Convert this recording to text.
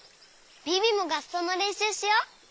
ビビもがっそうのれんしゅうしよう！